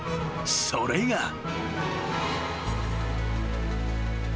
［それが］